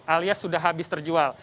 alias sudah habis terjual